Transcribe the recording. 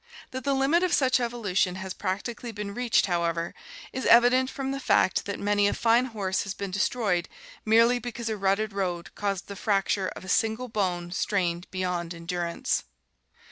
That the limit of such evolution has practically been reached, however, is evident from the fact that many a fine horse has been destroyed merely because a rutted road caused the fracture of a single bone strained beyond endurance.